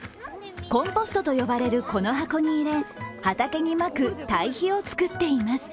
コンポストと呼ばれるこの箱に入れ、畑にまく堆肥を作っています。